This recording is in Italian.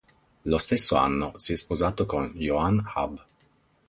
Lo stesso anno si è sposato con Joan Abbe.